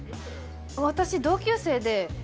私同級生で。